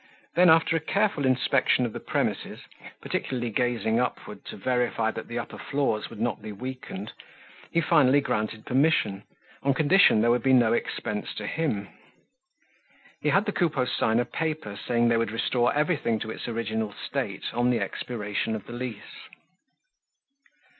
Then, after a careful inspection of the premises, particularly gazing upward to verify that the upper floors would not be weakened, he finally granted permission on condition there would be no expense to him. He had the Coupeaus sign a paper saying they would restore everything to its original state on the expiration of the lease.